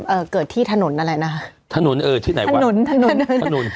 เอ่อเกิดที่ถนนอะไรนะคะถนนเออที่ไหนถนนถนน